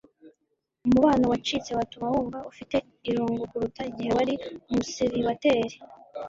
umubano wacitse watuma wumva ufite irungu kuruta igihe wari umuseribateri